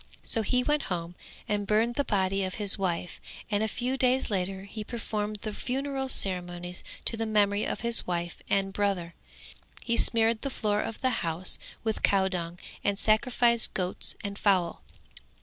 So he went home and burned the body of his wife and a few days later he performed the funeral ceremonies to the memory of his wife and brother; he smeared the floor of the house with cowdung and sacrificed goats and fowls.